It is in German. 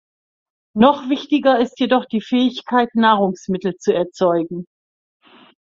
Noch wichtiger ist jedoch die Fähigkeit, Nahrungsmittel zu erzeugen.